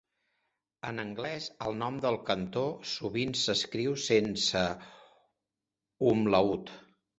En anglès el nom del cantó sovint s'escriu sense umlaut.